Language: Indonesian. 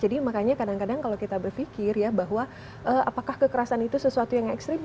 jadi makanya kadang kadang kalau kita berpikir ya bahwa apakah kekerasan itu sesuatu yang ekstrim